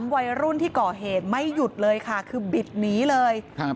วัยรุ่นที่ก่อเหตุไม่หยุดเลยค่ะคือบิดหนีเลยครับ